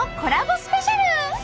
スペシャル！